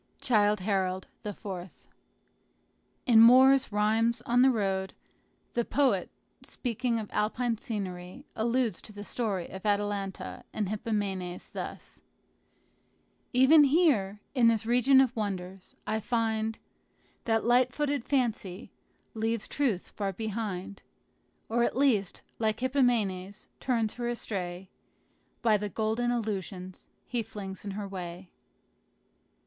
Childe Harold, IV. In Moore's "Rhymes on the Road," the poet, speaking of Alpine scenery, alludes to the story of Atalanta and Hippomenes thus: "Even here, in this region of wonders, I find That light footed Fancy leaves Truth far behind, Or at least, like Hippomenes, turns her astray By the golden illusions he flings in her way."